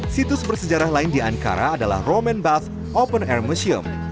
situs bersejarah lain di ankara adalah roman buff open air museum